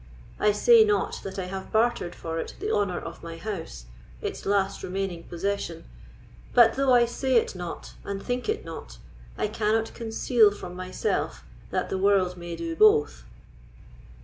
I say not that I have bartered for it the honour of my house, its last remaining possession; but though I say it not, and think it not, I cannot conceal from myself that the world may do both."